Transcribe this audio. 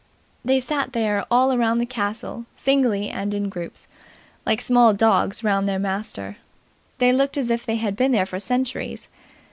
They sat there all round the castle, singly and in groups, like small dogs round their master. They looked as if they had been there for centuries.